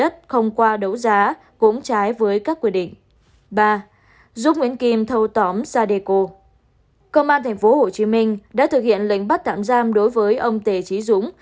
công an thành phố hồ chí minh đã thực hiện lệnh bắt tạm giam đối với ông tế trí dũng